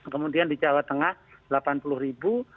kemudian di jawa tengah delapan puluh ribu